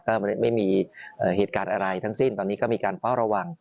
ก็ไม่มีเหตุการณ์อะไรทั้งสิ้นตอนนี้ก็มีการเฝ้าระวัง